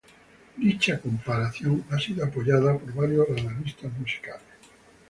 Dicha comparación ha sido apoyada por varios analistas musicales.